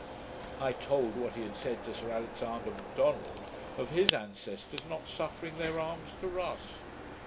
I told what he had said to Sir Alexander McDonald, of his ancestors not suffering their arms to rust.